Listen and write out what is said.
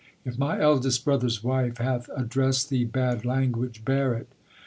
If my eldest brother s wife hath addressed thee bad language, bear it.